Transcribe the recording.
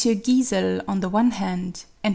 Giesel, on the one hand, and MM.